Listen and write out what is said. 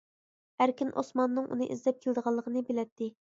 ئەركىن ئوسماننىڭ ئۇنى ئىزدەپ كېلىدىغانلىقىنى بىلەتتى.